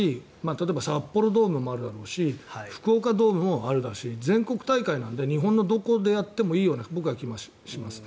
例えば札幌ドームもあるだろうし福岡ドームもあるだろうし全国大会なので日本のどこでやってもいいような僕は気がします。